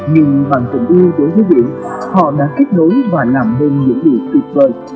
nhưng bằng tình yêu của giới biển họ đã kết nối và làm nên những điều tuyệt vời